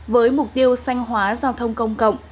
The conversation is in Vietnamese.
với mục tiêu sanh hóa giao thông công cộng